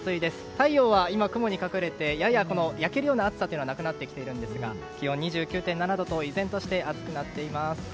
太陽は今、雲に隠れてやや焼けるような暑さというのはなくなってきてはいるんですが気温２９．７度と依然として暑くなっています。